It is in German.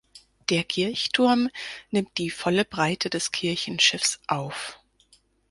Der Kirchturm nimmt die volle Breite des Kirchenschiffs auf.